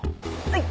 はい。